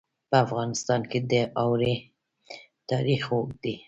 په افغانستان کې د اوړي تاریخ اوږد دی.